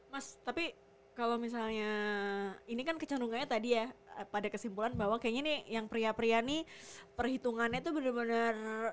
mas tapi kalau misalnya ini kan kecenderungannya tadi ya pada kesimpulan bahwa kayaknya nih yang pria pria nih perhitungannya tuh bener bener